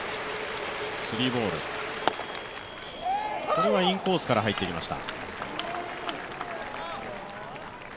これはインコースから入っていきました。